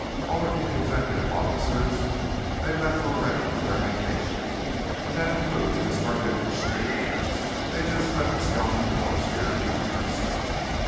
"All of the executive officers, they left already on their vacation. And that includes Miss Garbitsch, too. They just left a skeleton force here at the office."